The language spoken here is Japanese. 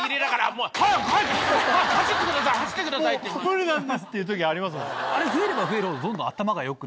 もう無理なんですっていう時ありますもんね。